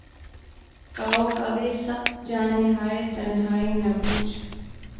کاؤ کاوِ سخت جانیہائے تنہائی، نہ پوچھ